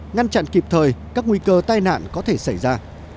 ngăn chặn kịp thời các nguy cơ tai nạn có thể xảy ra